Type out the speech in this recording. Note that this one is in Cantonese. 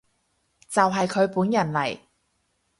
就係佢本人嚟